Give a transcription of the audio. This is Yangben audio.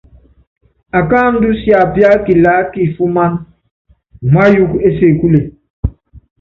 Akáandú siapiáka kilaá kifuman, umáyuukɔ ésekule.